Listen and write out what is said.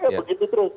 ya begitu terus